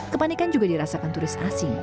kepanikan juga dirasakan turis asing